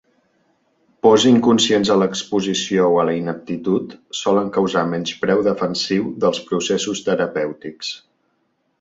Pors inconscients a l'exposició o a la ineptitud solen causar menyspreu defensiu dels processos terapèutics.